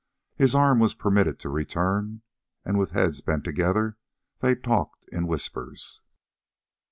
His arm was permitted to return, and with heads bent together, they talked in whispers.